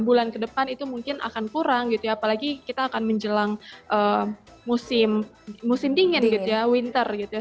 enam bulan ke depan itu mungkin akan kurang gitu ya apalagi kita akan menjelang musim dingin gitu ya winter gitu ya